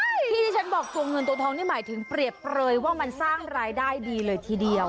ใช่ที่ที่ฉันบอกตัวเงินตัวทองนี่หมายถึงเปรียบเปลยว่ามันสร้างรายได้ดีเลยทีเดียว